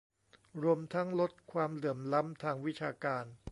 รวมทั้งลดความเหลื่อมล้ำทางวิชาการ